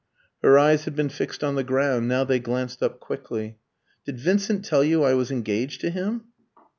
Her eyes had been fixed on the ground, now they glanced up quickly. "Did Vincent tell you I was engaged to him?"